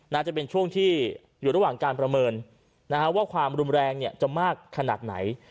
น่าจะเป็นช่วงที่อยู่ระหว่างการประเมินนะฮะว่าความรุนแรงเนี่ยจะมากขนาดไหน